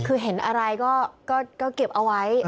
คือเห็นอะไรก็เก็บเอาไว้